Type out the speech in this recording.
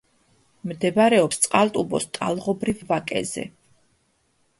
მდებარეობს წყალტუბოს ტალღობრივ ვაკეზე.